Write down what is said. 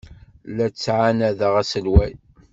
La ttɛanadeɣ aselway.